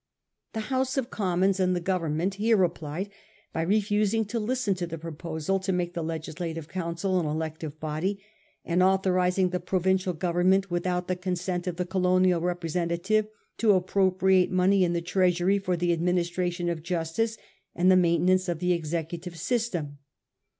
The House of Commons and the Government here replied by refusing to listen to the proposal to make the legislative council an elective body, and authorising the provincial government with out the consent of the colonial representation to appro priate the money in the treasury for the a dminis tration of justice and the maintenance of the executive system.